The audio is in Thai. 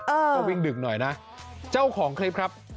ต้องวิ่งดึกหน่อยนะเจ้าของคลิปครับ